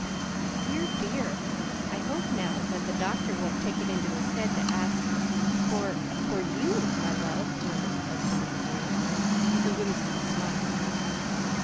"Dear, dear! I hope, now, that the doctor won't take it into his head to ask for for YOU, my love," murmured the husband of a year, with a whimsical smile.